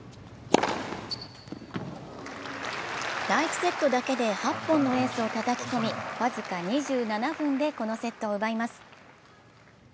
第１セットだけで８本のエースをたたき込み、僅か２７分でこのセットを奪います。